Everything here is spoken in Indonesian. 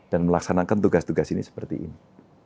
dan melaksanakan tugas tugas ini seperti ini